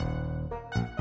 emanya udah pulang kok